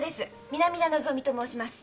南田のぞみと申します。